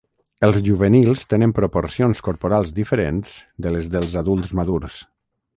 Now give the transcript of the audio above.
Els juvenils tenen proporcions corporals diferents de les dels adults madurs.